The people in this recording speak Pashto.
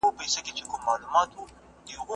دغه سړی پرون ډېر مهربان وو.